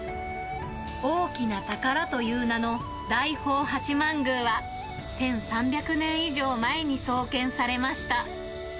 大きな宝という名の大宝八幡宮は、１３００年以上前に創建されました。